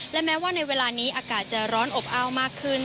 และแม้ว่าในเวลานี้อากาศจะร้อนอบอ้าวมากขึ้น